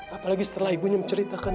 apalagi setelah ibunya menceritakan